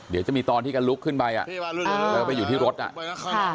เดี๋ยวจะมีตอนที่ก็ลุกขึ้นไปอ่ะแล้วก็ไปอยู่ที่รถอ่ะค่ะ